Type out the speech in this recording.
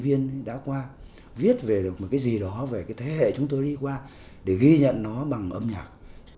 viên đã qua viết về một cái gì đó về cái thế hệ chúng tôi đi qua để ghi nhận nó bằng âm nhạc